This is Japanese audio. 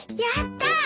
やった！